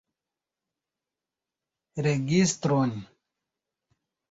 Registron?